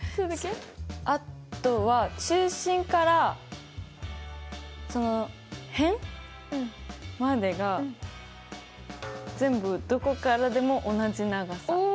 あとは中心からその辺までが全部どこからでも同じ長さ。